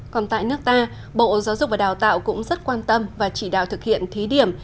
còn tại nước ta bộ giáo dục và đào tạo cũng rất quan tâm và chỉ đạo thực hiện thí điểm